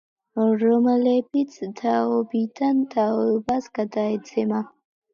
რომლებიც თაობიდან თაობას გადაეცემა.